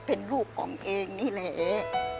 เป็นลูกของเองนี่แหละ